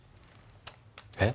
え？